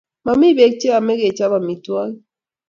Mami pek che yome kechop amitwogik